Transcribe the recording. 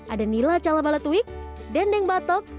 ada nila calabala tuik dendeng batok